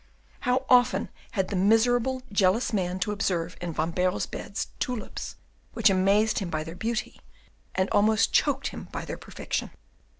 How often had the miserable, jealous man to observe in Van Baerle's beds tulips which dazzled him by their beauty, and almost choked him by their perfection!